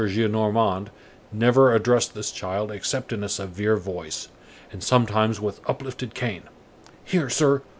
Gillenormand never addressed this child except in a severe voice, and sometimes, with uplifted cane: "Here, sir!